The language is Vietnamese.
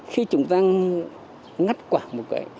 khi chúng ta ngắt quả một cái